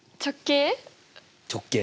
直径？